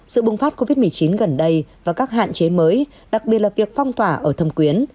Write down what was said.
sự bùng phát covid một mươi chín gần đây và các hạn chế mới đặc biệt là việc phong tỏa ở thâm quyến